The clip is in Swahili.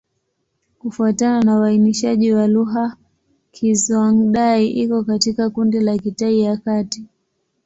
Kufuatana na uainishaji wa lugha, Kizhuang-Dai iko katika kundi la Kitai ya Kati.